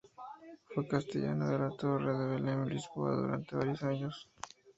Fue castellano de la Torre de Belem en Lisboa durante varios años.